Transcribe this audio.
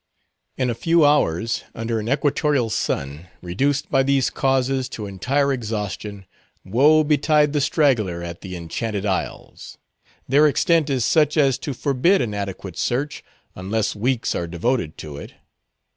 In a few hours, under an equatorial sun, reduced by these causes to entire exhaustion, woe betide the straggler at the Enchanted Isles! Their extent is such as to forbid an adequate search, unless weeks are devoted to it.